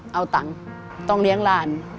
เอาตังค์ต้องเลี้ยงหลาน